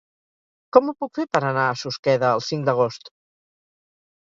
Com ho puc fer per anar a Susqueda el cinc d'agost?